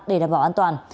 để đảm bảo an toàn